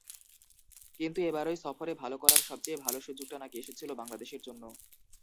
কিন্তু এবারই সফরে ভালো করার সবচেয়ে ভালো সুযোগটা নাকি এসেছিল বাংলাদেশের জন্য।